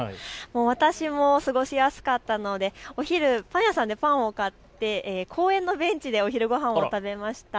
私も過ごしやすかったのでお昼、パン屋さんでパンを買って公園のベンチでお昼ごはんを食べました。